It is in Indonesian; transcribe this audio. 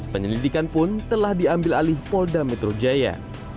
penyelidikan pun telah diambil alih polda metro jaya